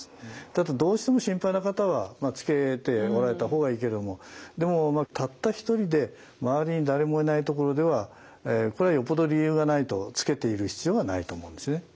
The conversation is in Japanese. ただどうしても心配な方はつけておられた方がいいけどもでもたった一人で周りに誰もいないところではこれはよっぽど理由がないとつけている必要がないと思うんですね。